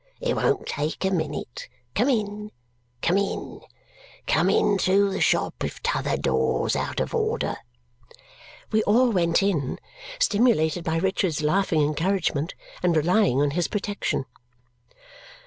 It won't take a minute! Come in, come in! Come in through the shop if t'other door's out of order!" we all went in, stimulated by Richard's laughing encouragement and relying on his protection.